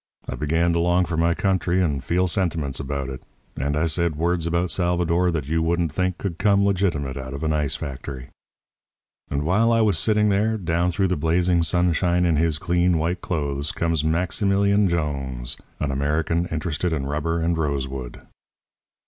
I began to long for my country and feel sentiments about it; and I said words about Salvador that you wouldn't think could come legitimate out of an ice factory. "And while I was sitting there, down through the blazing sunshine in his clean, white clothes comes Maximilian Jones, an American interested in rubber and rosewood.